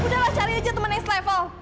udah lah cari aja temen yang level